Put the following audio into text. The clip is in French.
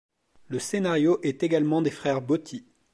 Le scénario est également des frères Botti.